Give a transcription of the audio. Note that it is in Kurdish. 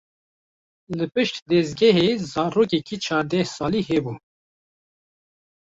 Li pişt dezgehê zarokekî çardeh salî hebû.